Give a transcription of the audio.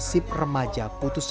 selama dua puluh tahun